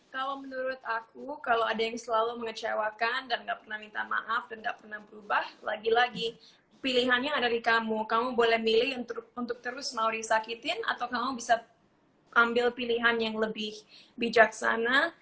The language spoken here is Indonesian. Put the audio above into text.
kalau menurut aku kalau ada yang selalu mengecewakan dan gak pernah minta maaf dan gak pernah berubah lagi lagi pilihannya ada di kamu kamu boleh milih untuk terus mau disakitin atau kamu bisa ambil pilihan yang lebih bijaksana